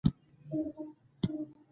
د تولید بنسټ هغه اندازه لازمي کار دی